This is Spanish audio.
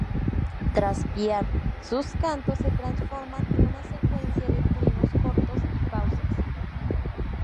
Tras piar sus cantos se transforman en una secuencia de trinos cortos y pausas.